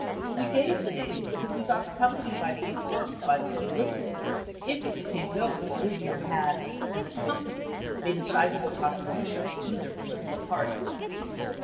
We gave the names because we thought the company might be harmed by the publicity if it became known that Goodyear had, as a company, made a sizable contribution to either political party.